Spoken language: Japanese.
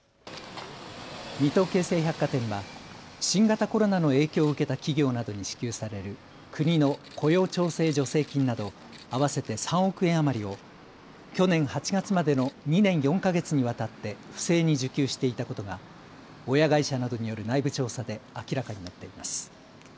水戸京成百貨店は新型コロナの影響を受けた企業などに支給される国の雇用調整助成金など合わせて３億円余りを去年８月までの２年４か月にわたって不正に受給していたことが親会社などによる内部調査で明らかになっています。